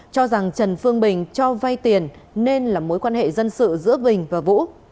cho rằng trần phương bình cho vay tiền nên là mối quan hệ dân sự giữa bình và vũ